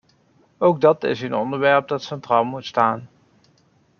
Ook dat is een onderwerp dat centraal moet staan.